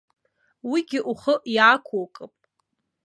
Уигьы ухы иаақәукып.